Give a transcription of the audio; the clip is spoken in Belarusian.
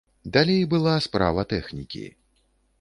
Далей была справа тэхнікі.